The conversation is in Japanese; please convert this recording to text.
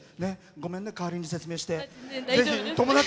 ごめんね、代わりに説明して。